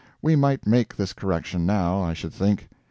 We might make this correction now, I should think.